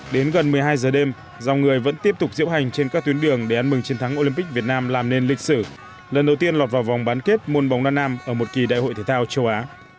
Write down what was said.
đến gần một mươi hai giờ đêm dòng người vẫn tiếp tục diễu hành trên các tuyến đường để ăn mừng chiến thắng olympic việt nam làm nên lịch sử lần đầu tiên lọt vào vòng bán kết môn bóng đá nam ở một kỳ đại hội thể thao châu á